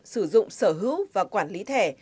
sử dụng sở hữu và quản lý thẻ